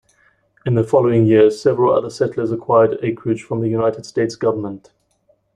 In the following years several other settlers acquired acreage from the United States government.